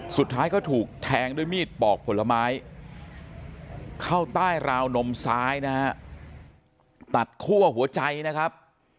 สุดท้ายก็ถูกแทงด้วยมีดปอกผลไม้เข้าใต้ราวนมซ้ายนะฮะตัดคั่วหัวใจนะครับ